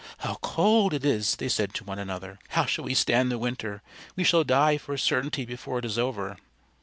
how cold it is!" they said to one another. "How shall we stand the winter? We shall die for a certainty before it is over."